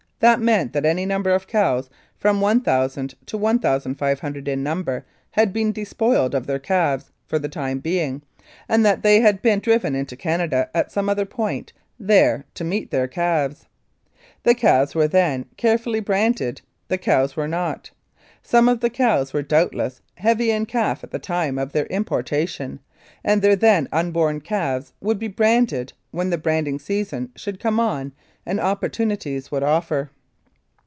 That meant that any number of cows from 1,000 to 1,500 in number had been despoiled of their calves for the time being, and that they had been driven into Canada at some other point, there to meet their calves. The calves were then carefully branded ; the cows were. not. Some of the cows were doubtless heavy in calf at the time of their importation, and their then unborn calves would be branded when the brand ing season should come on and opportunities would offer.